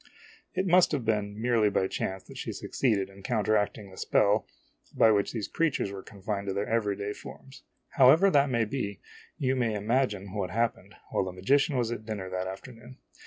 It must have been merely by chance that she succeeded in counteracting the spell by which these creatures were confined to their every day forms. However that may be, you may imagine what happened while the magician was at dinner that afternoon.